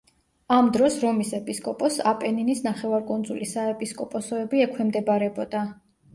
ამ დროს რომის ეპისკოპოსს აპენინის ნახევარკუნძულის საეპისკოპოსოები ექვემდებარებოდა.